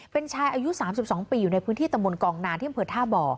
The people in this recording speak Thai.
เป็นชายอายุ๓๒ปีอยู่ในพื้นที่ตำบลกองนานที่อำเภอท่าบ่อ